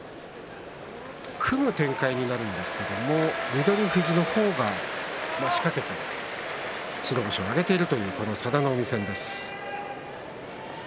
組む展開になるんですけれども翠富士の方が仕掛けて白星を挙げているという佐田の海戦です。